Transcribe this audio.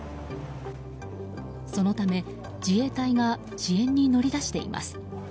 そのため、自衛隊が支援に乗り出しています。